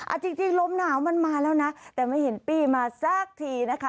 เอาจริงลมหนาวมันมาแล้วนะแต่ไม่เห็นปี้มาสักทีนะคะ